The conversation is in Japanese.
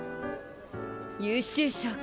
優秀賞か。